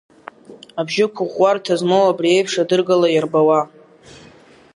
Абжьықәыӷәӷәарҭа змоу абри еиԥш адыргала иарбауа.